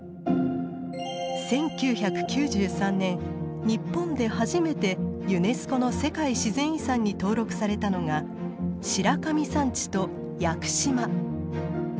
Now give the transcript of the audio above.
１９９３年日本で初めてユネスコの世界自然遺産に登録されたのが白神山地と屋久島。